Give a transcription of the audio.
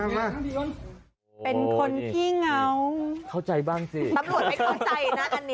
ตำรวจไม่เข้าใจนะอันเนี้ย